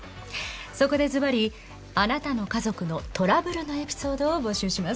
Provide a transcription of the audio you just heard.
そこでずばり「あなたの家族のトラブル」のエピソードを募集します。